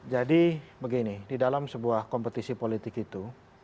jadi begini di dalam sebuah kompetisi politik itu